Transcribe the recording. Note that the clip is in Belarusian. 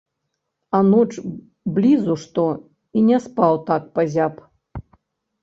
А ноч блізу што і не спаў так пазяб.